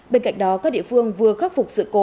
bên cạnh đó các địa phương vừa khắc phục